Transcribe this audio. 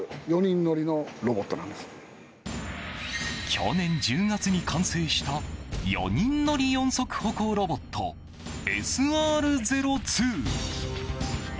去年１０月に完成した４人乗り四足歩行ロボットＳＲ‐０２。